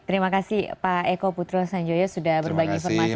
terima kasih pak eko putro sanjoyo sudah berbagi informasi